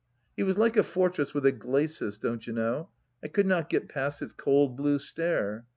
He was like a fortress with a glacis, don't you know. I could not get past his cold blue stare.